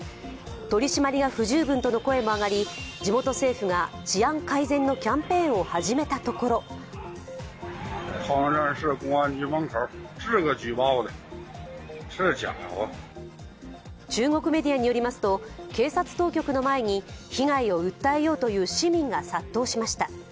取り締まりが不十分との声も上がり地元政府が、治安改善のキャンペーンを始めたところ中国メディアによりますと警察当局の前に被害を訴えようという市民が殺到しました。